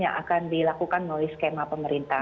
yang akan dilakukan melalui skema pemerintah